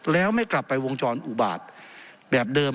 แล้วไม่กลับไปวงจรอุบาตแบบเดิม